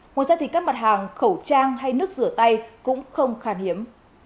ngoài ra thì các mặt hàng khẩu trang hay nước rửa tay cũng không khá hiếm